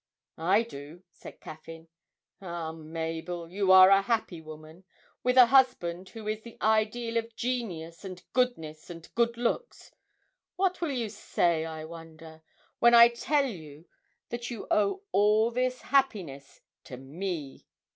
'I do,' said Caffyn. 'Ah, Mabel, you are a happy woman, with a husband who is the ideal of genius and goodness and good looks. What will you say, I wonder, when I tell you that you owe all this happiness to me?